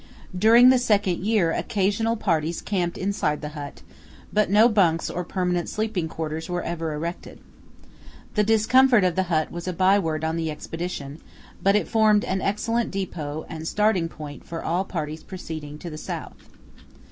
During the second year occasional parties camped inside the hut, but no bunks or permanent sleeping quarters were ever erected. The discomfort of the hut was a byword on the Expedition, but it formed an excellent depot and starting point for all parties proceeding to the south.